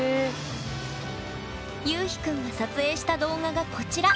ゆうひくんが撮影した動画がこちら。